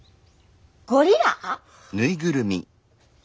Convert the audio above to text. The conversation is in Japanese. ゴリラ？